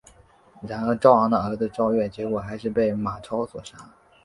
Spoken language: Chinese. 然而赵昂的儿子赵月结果还是被马超所杀。